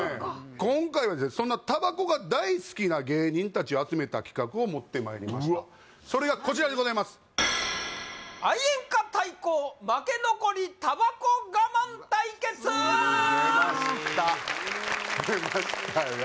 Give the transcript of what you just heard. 今回はそんなタバコが大好きな芸人達を集めた企画を持ってまいりましたそれがこちらでございます出ました出ましたよ